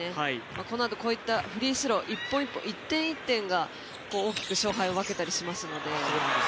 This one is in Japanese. このあとこういったフリースロー１点１点が大きく勝敗を分けたりしますので。